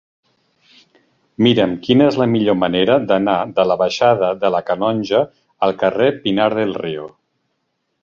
Mira'm quina és la millor manera d'anar de la baixada de la Canonja al carrer de Pinar del Río.